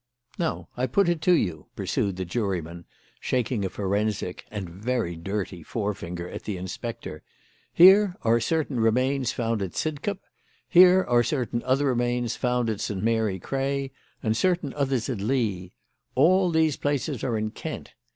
"Now I put it to you," pursued the juryman, shaking a forensic, and very dirty, forefinger at the inspector; "here are certain remains found at Sidcup; here are certain other remains found at St. Mary Cray, and certain others at Lee. All those places are in Kent.